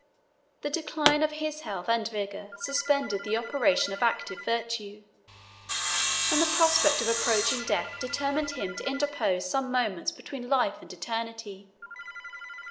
The decline of his health and vigor suspended the operation of active virtue; and the prospect of approaching death determined him to interpose some moments between life and eternity.